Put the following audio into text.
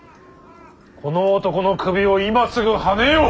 この男の首を今すぐはねよ。